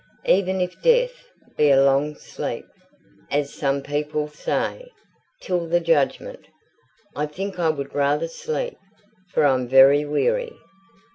Even if death be a long sleep, as some people say, till the judgment, I think I would rather sleep, for I'm very weary.